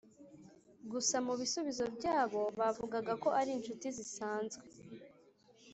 gusa mu bisubizo byabo bavugaga ko ari inshuti zisanzwe